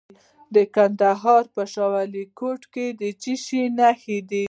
د کندهار په شاه ولیکوټ کې د څه شي نښې دي؟